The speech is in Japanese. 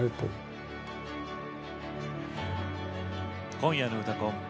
今夜の「うたコン」。